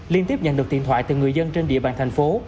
liên tiếp nhận được điện thoại từ người dân trên địa bàn thành phố